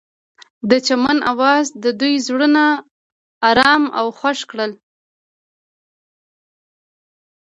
د چمن اواز د دوی زړونه ارامه او خوښ کړل.